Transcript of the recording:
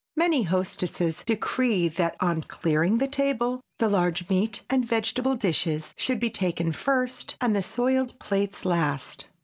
Many hostesses decree that on clearing the table, the large meat and vegetable dishes should be taken first and the soiled plates last.